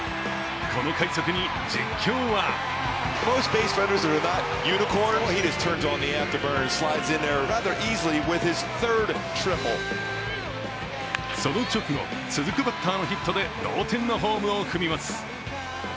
この快足に実況はその直後、続くバッターのヒットで同点のホームを踏みます。